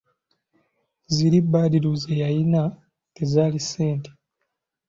Ziri Badru ze yalina tezaali ssente.